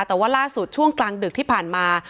แต่ว่าล่าสุดช่วงกลางดึกที่ผ่านมา